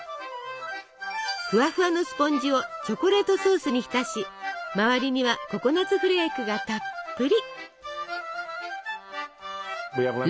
ふわふわのスポンジをチョコレートソースに浸し周りにはココナツフレークがたっぷり！